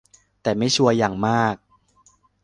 แต่ไม่ชัวร์อย่างมาก